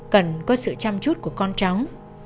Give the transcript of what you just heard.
cần có sự chăm chút của con cháu